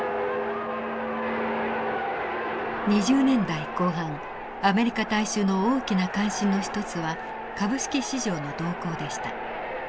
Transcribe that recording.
２０年代後半アメリカ大衆の大きな関心の一つは株式市場の動向でした。